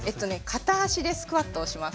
片足でスクワットをします。